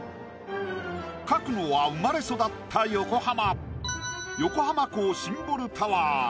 描くのは生まれ育った横浜。